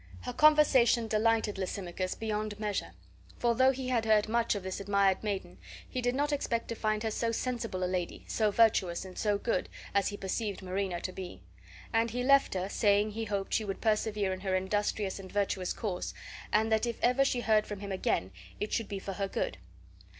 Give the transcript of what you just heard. Her conversation delighted Lysimachus beyond measure, for, though he had heard much of this admired maiden, he did not expect to find her so sensible a lady, so virtuous, and so good, as he perceived Marina to be; and he left her, saying he hoped she would persevere in her industrious and virtuous course, and that if ever she heard from him again it should be for her good.